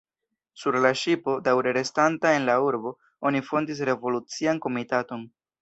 Sur la ŝipo, daŭre restanta en la urbo, oni fondis revolucian komitaton.